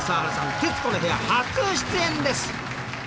『徹子の部屋』初出演です！